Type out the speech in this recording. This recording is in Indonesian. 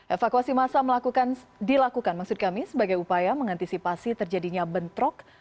evakuasi massa dilakukan maksud kami sebagai upaya mengantisipasi terjadinya bentrok